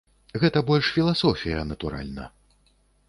Гэта больш філасофія, натуральна.